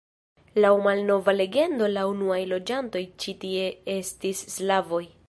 Laŭ malnova legendo la unuaj loĝantoj ĉi tie estis slavoj.